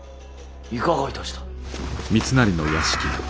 いかがいたした。